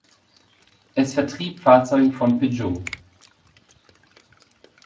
Es vertrieb Fahrzeuge von Peugeot.